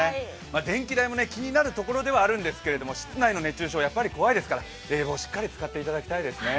電気代も気になるところではあるんですけど、室内の熱中症、やっぱり怖いですから冷房、しっかり使っていただきたいですね。